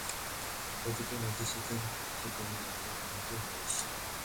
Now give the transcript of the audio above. এ দিকে মধুসূদনের পক্ষে কুমু একটি নূতন আবিষ্কার।